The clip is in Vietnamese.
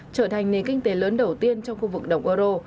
trở thành nền kinh tế lớn đầu tiên trong khu vực đồng euro